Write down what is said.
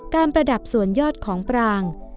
ประดับส่วนยอดของปราง